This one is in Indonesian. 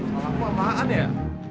malah aku amat ya